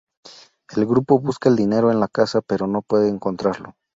El grupo busca el dinero en la casa pero no puede encontrarlo.